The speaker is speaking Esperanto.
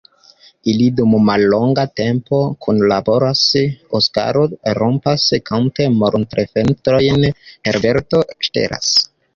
Ili dum mallonga tempo kunlaboras: Oskaro rompas kante montrofenestrojn, Herberto ŝtelas.